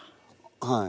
はい。